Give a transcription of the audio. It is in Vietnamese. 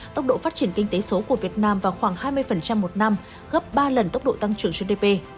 tốc độ phát triển kinh tế số của việt nam vào khoảng hai mươi một năm gấp ba lần tốc độ tăng trưởng gdp